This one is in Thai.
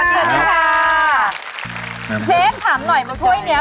เชฟถามหน่อย